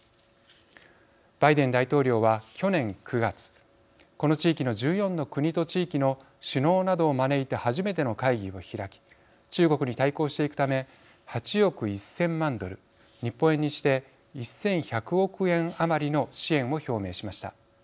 バイデン大統領は、去年９月この地域の１４の国と地域の首脳などを招いて初めての会議を開き中国に対抗していくため８億１０００万ドル日本円にして１１００億円余りの支援を表明しました。